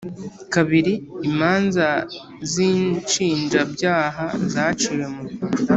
kabiri imanza z inshinjabyaha zaciwe murwanda